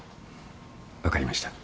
分かりました。